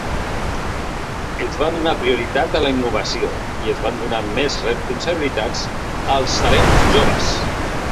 Es va donar prioritat a la innovació i es van donar més responsabilitats als talents joves.